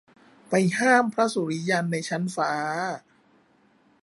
ไปห้ามพระสุริยันในชั้นฟ้า